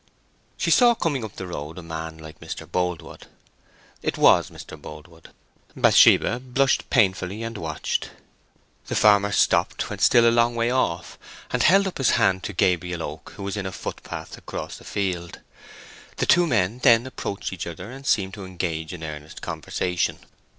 She saw coming up the road a man like Mr. Boldwood. It was Mr. Boldwood. Bathsheba blushed painfully, and watched. The farmer stopped when still a long way off, and held up his hand to Gabriel Oak, who was in a footpath across the field. The two men then approached each other and seemed to engage in earnest conversation.